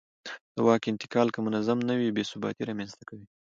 د واک انتقال که منظم نه وي بې ثباتي رامنځته کوي